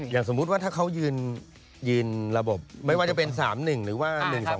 สมมุติว่าถ้าเขายืนระบบไม่ว่าจะเป็น๓๑หรือว่า๑๒๒